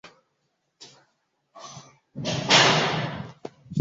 White blooms appear in axillary clusters in autumn.